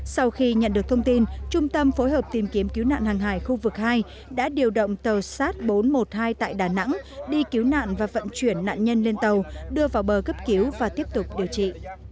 sau khi nhận được thông tin trung tâm phối hợp tìm kiếm cứu nạn hàng hải khu vực hai đã điều động tàu st bốn trăm một mươi hai tại đà nẵng đi cứu nạn và vận chuyển nạn nhân lên tàu đưa vào bờ cấp cứu và tiếp tục điều trị